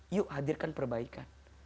yuk hadirkan perbaikan